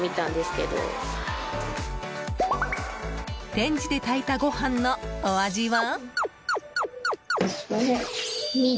レンジで炊いたご飯のお味は？